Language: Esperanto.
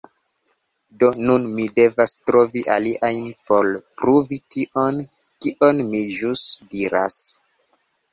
Do nun mi devas trovi aliajn por pruvi tion kion mi ĵus diras.